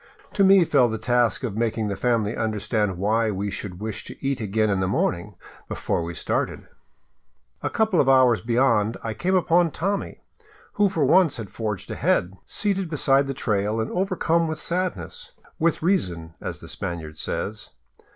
To me fell the task of making the family understand why we should wish to eat again in the morning, before we started. A couple of hours beyond, I came upon Tommy, who for once had forged ahead, seated beside the trail and overcome with sadness. With reason, as the Spaniard says.